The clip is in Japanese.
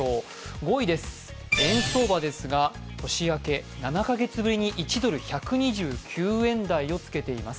５位です、円相場ですが年明け７か月ぶりに１ドル＝１２９円台をつけています。